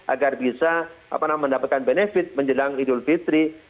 agar bisa mendapatkan benefit menjelang idul fitri